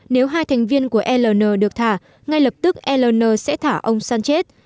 nếu hai thành viên của aln được thả ngay lập tức aln sẽ thả ông sanchez